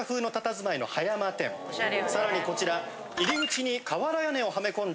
さらにこちら。